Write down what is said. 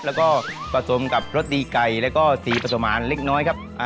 แล้วก็ผสมกับรสดีไก่แล้วก็สีผสมอาหารเล็กน้อยครับ